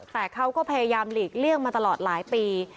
แต่เขาก็พยายามหลีกเลี่ยงมาตลอดหลายปี